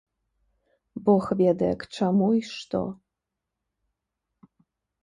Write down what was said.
Бог ведае, к чаму й што?